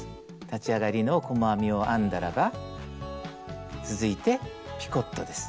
立ち上がりの細編みを編んだらば続いてピコットです。